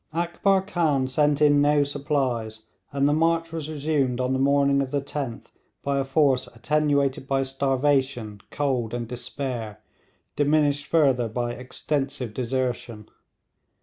Akbar Khan sent in no supplies, and the march was resumed on the morning of the both by a force attenuated by starvation, cold, and despair, diminished further by extensive desertion.